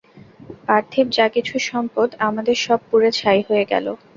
পার্থিব যা কিছু সম্পদ, আমাদের সব পুড়ে ছাই হয়ে গেল।